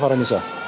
terima kasih pak